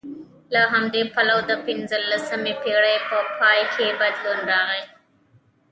له همدې پلوه د پنځلسمې پېړۍ په پای کې بدلون راغی